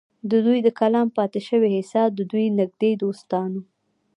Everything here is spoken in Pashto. د دوي د کلام پاتې شوې حصه د دوي نزدې دوستانو